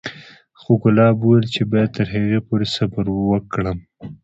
خو ګلاب وويل چې بايد تر هغې پورې صبر وکړم.